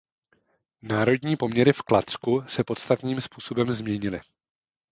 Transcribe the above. Národnostní poměry v Kladsku se podstatným způsobem změnily.